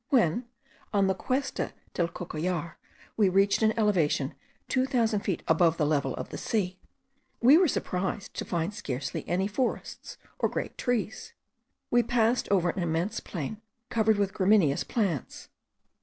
When, on the Cuesta del Cocollar, we reached an elevation two thousand feet above the level of the sea, we were surprised to find scarcely any forests or great trees. We passed over an immense plain covered with gramineous plants.